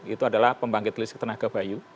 itu adalah pembangkit listrik tenaga bayu